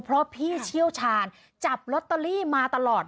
เพราะพี่เชี่ยวชาญจับลอตเตอรี่มาตลอด